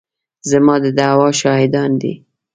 زما د دعوې شاهدانې دي.